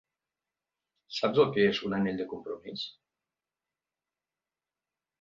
Saps el què és un anell de compromís?